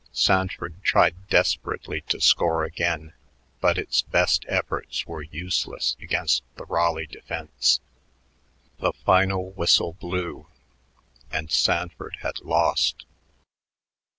Sanford tried desperately to score again, but its best efforts were useless against the Raleigh defense. The final whistle blew; and Sanford had lost.